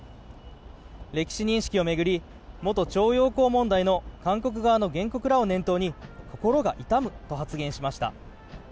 歴史認識を巡り、元徴用工問題の韓国側の原告らを念頭に心が痛むと発言しました。